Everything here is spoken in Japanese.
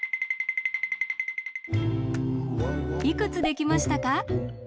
いくつできましたか？